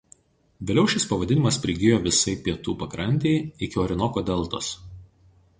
Vėliau šis pavadinimas prigijo visai pietų pakrantei iki Orinoko deltos.